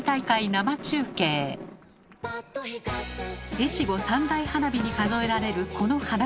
「越後三大花火」に数えられるこの花火大会。